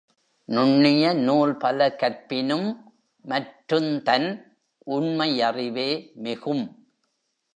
நுண்ணிய நூல்பல கற்பினும் மற்றுந்தன் உண்மை யறிவே மிகும்